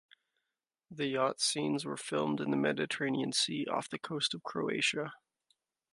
The yacht scenes were filmed in the Mediterranean Sea off the coast of Croatia.